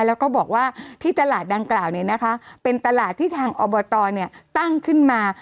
แล้วก็บอกว่าที่ตลาดดังกล่าวเนี่ยนะคะเป็นตลาดที่ทางอบตเนี่ยตั้งขึ้นมา